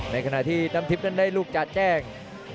ในขณะที่น้ำทิพย์นั้นได้ลูกจะแจ้ง